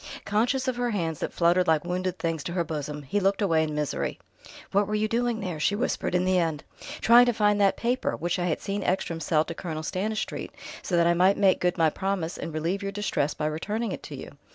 Conscious of her hands that fluttered like wounded things to her bosom, he looked away in misery. "What were you doing there?" she whispered in the end. "Trying to find that paper, which I had seen Ekstrom sell to Colonel Stanistreet, so that I might make good my promise and relieve your distress by returning it to you.